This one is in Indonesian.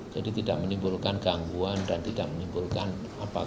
jadi tidak menimbulkan gangguan dan tidak menimbulkan apa apa